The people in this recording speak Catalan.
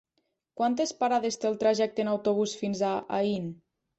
Quantes parades té el trajecte en autobús fins a Aín?